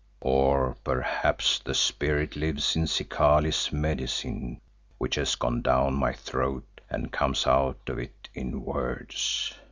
Or perhaps the spirit lives in Zikali's Medicine which has gone down my throat and comes out of it in words.